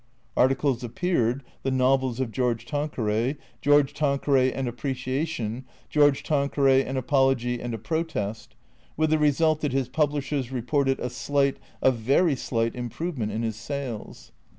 Articles appeared (" The Novels of George Tanqueray;" "George Tanqueray: an Appreciation;" "George Tanqueray : an Apology and a Protest "); with the result that his publishers reported a slight, a very slight improvement in his sales.